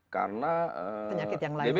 karena penyakit yang lain